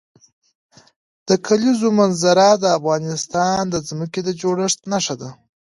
د کلیزو منظره د افغانستان د ځمکې د جوړښت نښه ده.